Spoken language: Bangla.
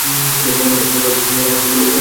ভয়টা কাকে বলোই-না।